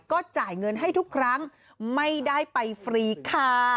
ก็จ่ายเงินให้ทุกครั้งไม่ได้ไปฟรีค่ะ